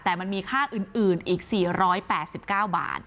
แต่มันมีค่าอื่นอีก๔๘๙บาท